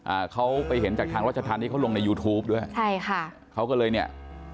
อ่าเขาไปเห็นจากทางราชธรรมที่เขาลงในยูทูปด้วยใช่ค่ะเขาก็เลยเนี่ย